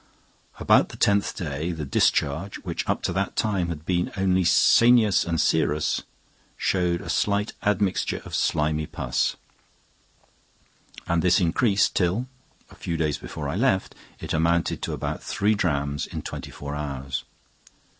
About the tenth day, the discharge, which up to that time had been only sanious and serous, showed a slight admixture of slimy pus; and this increased till (a few days before I left) it amounted to about three drachms in twenty four hours.